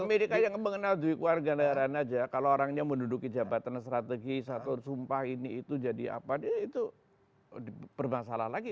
pemerintah yang mengenal duit kewarganegaraan aja kalau orangnya menduduki jabatan strategi satu sumpah ini itu jadi apa ya itu permasalah lagi